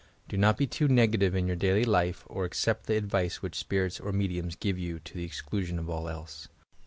Do not be too negative in your daily life or accept the advice which spirits or mediums give you to the ei clusioD of all else.